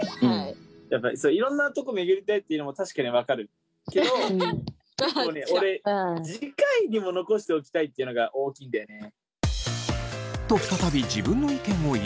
いろんな所巡りたいっていうのも確かに分かるけど俺次回にも残しておきたいっていうのが大きいんだよね。